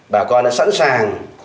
bà con đã sẵn sàng